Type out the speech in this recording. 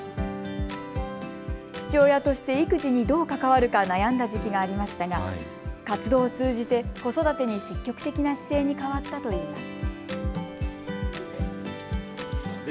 父親として育児にどう関わるか悩んだ時期がありましたが活動を通じて子育てに積極的な姿勢に変わったといいます。